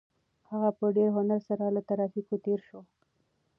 هغه په ډېر هنر سره له ترافیکو تېر شو.